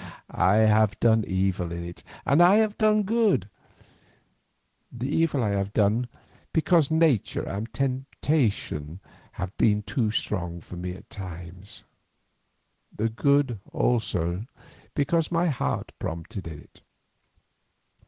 I have done evil in it and I have done good; the evil I have done because nature and temptation have been too strong for me at times, the good also because my heart prompted me to it.